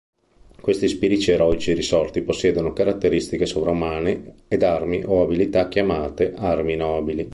Questi spiriti eroici risorti possiedono caratteristiche sovrumane ed armi o abilità chiamate Armi Nobili.